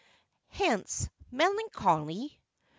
Hence, Melancholy!